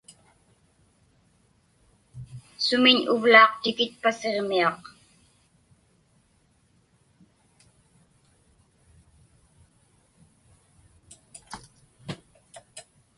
Sumiñ uvlaaq tikitpa Siġmiaq?